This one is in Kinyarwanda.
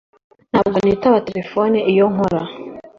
Ntabwo nitaba terefone iyo nkora